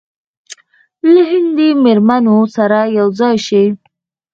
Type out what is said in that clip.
له هندي منورینو سره یو ځای شي.